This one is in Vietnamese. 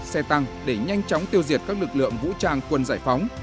xe tăng để nhanh chóng tiêu diệt các lực lượng vũ trang quân giải phóng